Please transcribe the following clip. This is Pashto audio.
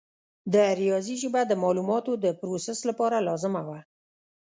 د ریاضي ژبه د معلوماتو د پروسس لپاره لازمه وه.